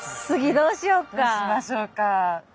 どうしましょうか。